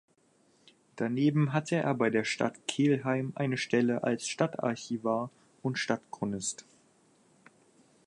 Daneben hatte er bei der Stadt Kelheim eine Stelle als Stadtarchivar und Stadtchronist.